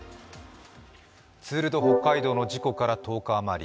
ツール・ド・北海道の事故から１０日余り。